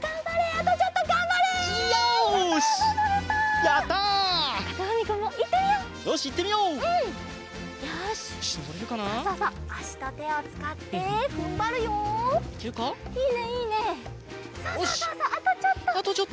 あとちょっとだ。